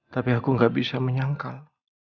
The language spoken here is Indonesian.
tapi aku gak bisa menyangkal